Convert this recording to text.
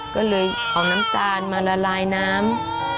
ก็เลยเอาน้ำตาลมาละลายน้ำ